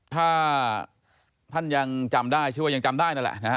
ถ้าท่านยังจำได้ชื่อว่ายังจำได้นั่นแหละนะฮะ